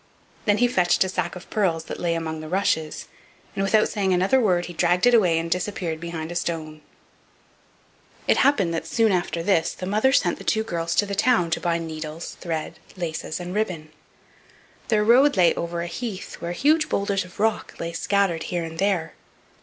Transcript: Then he fetched a sack of pearls that lay among the rushes, and without saying another word he dragged it away and disappeared behind a stone. It happened that soon after this the mother sent the two girls to the town to buy needles, thread, laces, and ribbons. Their road led over a heath where huge boulders of rock lay scattered here and there.